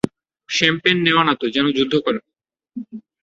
Champagne নেওয়া না তো, যেন যুদ্ধ করা।